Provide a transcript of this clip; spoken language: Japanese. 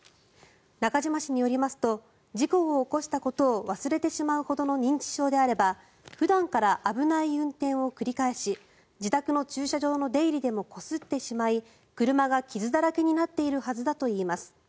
中島氏によりますと事故を起こしたことを忘れてしまうほどの認知症であれば普段から危ない運転を繰り返し自宅の駐車場の出入りでもこすってしまい車が傷だらけになっているはずだといいます。